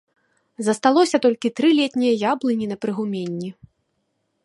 Засталося толькі тры летнія яблыні на прыгуменні.